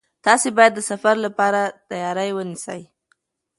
تاسي باید د سفر لپاره تیاری ونیسئ.